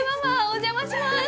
お邪魔します